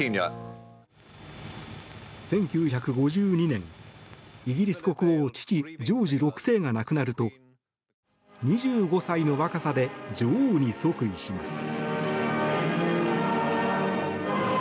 １９５２年、イギリス国王父、ジョージ６世が亡くなると２５歳の若さで女王に即位します。